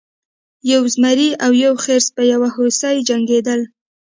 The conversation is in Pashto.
یو زمری او یو خرس په یو هوسۍ جنګیدل.